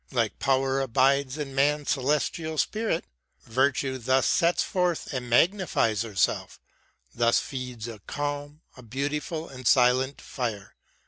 Like power abides In man's celestial spirit ; virtue thus Sets forth and magnifies herself ; thus feeds A calm, a beautiful and silent fire.